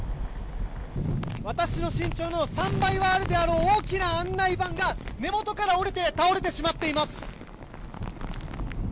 私の身長の３倍はあるであろう大きな案内板が根元から折れて倒れてしまっています。